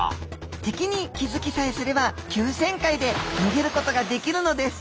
敵に気付きさえすれば急旋回で逃げることができるのです。